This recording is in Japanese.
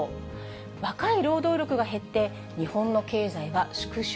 若い労働力が減って、日本の経済は縮小。